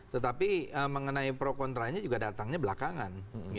tetapi mengenai pro kontra nya juga datangnya belakangan